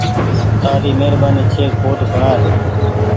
تآري مهربآني ڇي ڪوڊ سوڻآئي۔